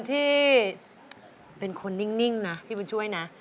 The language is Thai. ที่เป็นคนนิ่งนะพี่บุญช่วยนะ